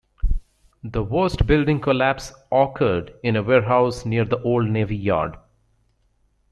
The worst building collapse occurred in a warehouse near the old Navy Yard.